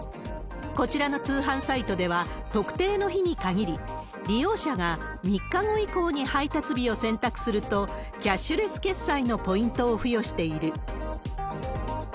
こちらの通販サイトでは、特定の日に限り、利用者が３日後以降に配達日を選択すると、キャッシュレス決済のポイントを付与している。